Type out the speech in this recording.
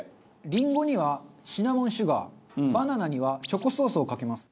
りんごにはシナモンシュガーバナナにはチョコソースをかけます。